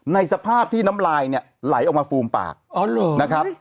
ในสภาพที่น้ำลายไหลออกมาฟูมปากอ๋อเหรอ